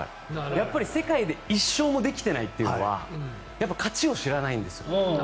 やっぱり世界で１勝もできていないというのは勝ちを知らないんですよ。